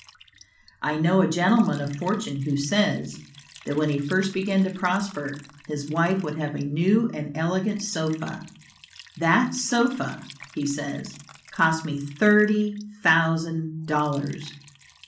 I know a gentleman of fortune who says, that when he first began to prosper, his wife would have a new and elegant sofa. "That sofa," he says, "cost me thirty thousand dollars!"